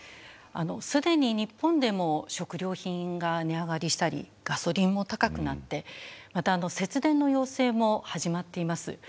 既に日本でも食料品が値上がりしたりガソリンも高くなってまた節電の要請も始まっています。